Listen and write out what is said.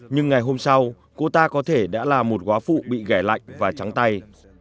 nhưng ngày hôm sau cô ta có thể đã là một quá phụ bị gẻ lạnh và trắng tay